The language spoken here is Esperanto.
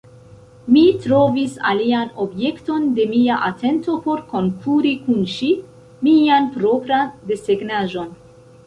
Mi trovis alian objekton de mia atento por konkuri kun ŝi: mian propran desegnaĵon.